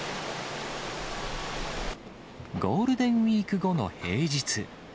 ゴールデンウィーク後の平日。